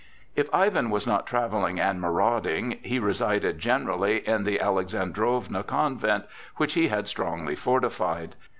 If Ivan was not travelling and marauding he resided generally in the Alexandrowna Convent, which he had strongly fortified.